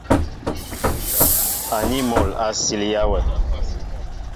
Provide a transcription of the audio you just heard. Aní mol a silya wɛ.